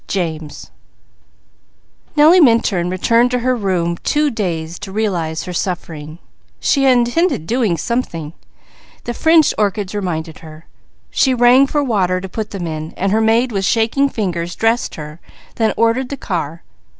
and Malcolm_ Nellie Minturn returned to her room too dazed to realize her suffering. She had intended doing something; the fringed orchids reminded her. She rang for water to put them in, while her maid with shaking fingers dressed her, then ordered the car.